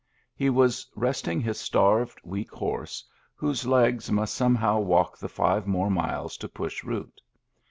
He was resting his starved, weak horse, whose legs must somehow walk the five more miles to Push Root.